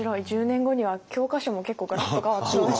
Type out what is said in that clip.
１０年後には教科書も結構ガラッと変わってますね。